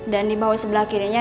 dan di bawah sebelah kirinya